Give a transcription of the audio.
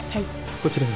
こちらにも。